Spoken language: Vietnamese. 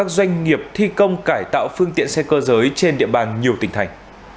doanh nghiệp thi công cải tạo phương tiện xe cơ giới trên địa bàn nhiều tỉnh thành